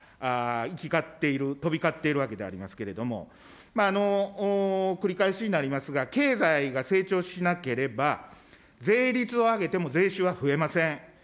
いろいろ法人税の増税とか、いろんな可能性が行き交っている、飛び交っているわけですけれども、繰り返しになりますが、経済が成長しなければ、税率を上げても税収は増えません。